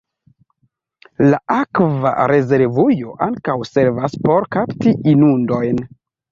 La akva rezervujo ankaŭ servas por kapti inundojn.